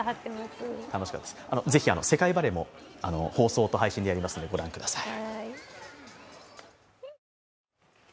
ぜひ世界バレーも放送と配信でやりますので御覧ください。